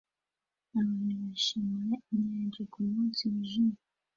Abantu bishimira inyanja kumunsi wijimye